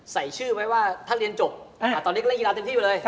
ใส่ชื่อไว้ว่าถ้าเรียนจบตอนนี้ก็เล่นกีฬาเต็มที่อยู่เลย